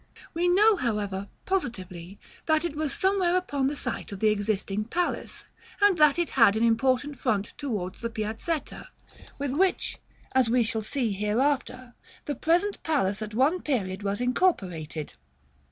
We know, however, positively, that it was somewhere upon the site of the existing palace; and that it had an important front towards the Piazzetta, with which, as we shall see hereafter, the present palace at one period was incorporated.